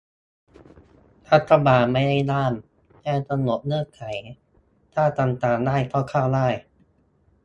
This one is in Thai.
รัฐบาล "ไม่ได้ห้าม" แค่กำหนดเงื่อนไข ถ้าทำตามได้ก็เข้าได้